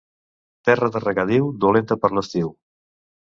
Terra de regadiu, dolenta per l'estiu.